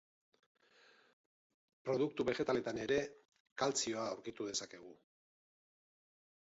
Produktu begetaletan ere kaltzioa aurkitu dezakegu.